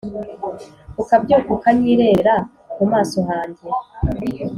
Ukabyuka unyirebera mu maso hanjye